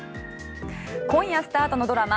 今夜スタートのドラマ